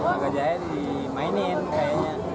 harga jahe dimainin kayaknya